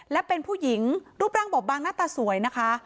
และเป็นผู้หญิงรูปร่างบอบบางหน้าตาสวยนะคะ